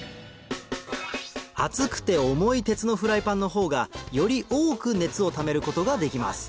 厚くて重い鉄のフライパンの方がより多く熱をためることができます